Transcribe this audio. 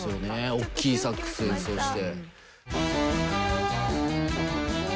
大きいサックス演奏して。